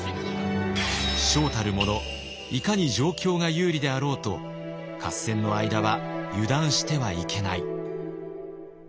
将たる者いかに状況が有利であろうと合戦の間は油断してはいけない。